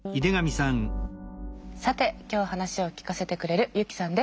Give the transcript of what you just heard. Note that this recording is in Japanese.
さて今日話を聞かせてくれるユキさんです。